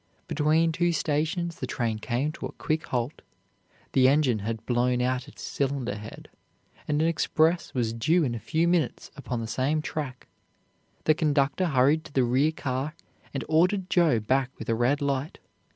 Between two stations the train came to a quick halt. The engine had blown out its cylinder head, and an express was due in a few minutes upon the same track. The conductor hurried to the rear car, and ordered Joe back with a red light.